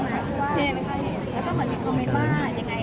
แต่เราเห็นแผ่นของมีกรูมิตมากงั้นเราไม่มีโอกาสได้รู้เพลงที่แล้ว